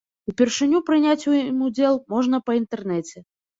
Упершыню прыняць у ім удзел можна па інтэрнэце.